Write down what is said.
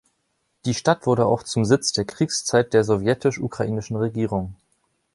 Die Stadt wurde auch zum Sitz der Kriegszeit der sowjetisch-ukrainischen Regierung.